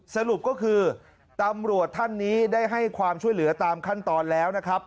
สรุปก็คือตำรวจท่านนี้ได้ให้ความช่วยเหลือตามขั้นตอนแล้วนะครับ